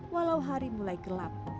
walau hari mulai gelap